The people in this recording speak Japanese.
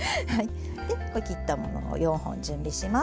で切ったものを４本準備します。